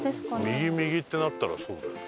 右右ってなったらそうだよ。